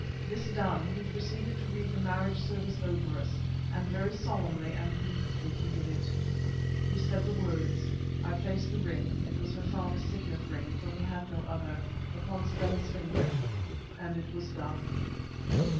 This done, he proceeded to read the marriage service over us, and very solemnly and beautifully he did it. We said the words, I placed the ring—it was her father's signet ring, for we had no other—upon Stella's finger, and it was done.